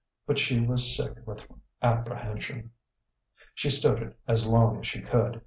But she was sick with apprehension.... She stood it as long as she could.